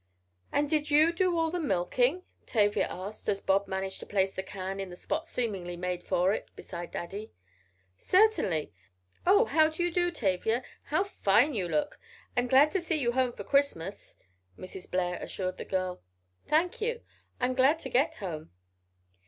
"And did you do all the milking?" Tavia asked, as Bob managed to place the can in the spot seemingly made for it, beside Daddy. "Certainly. Oh, how do you do, Tavia? How fine you look; I'm glad to see you home for Christmas," Mrs. Blair assured the girl. "Thank you. I'm glad to get home."